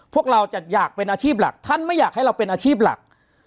พวกเราจะอยากเป็นอาชีพหลักท่านไม่อยากให้เราเป็นอาชีพหลัก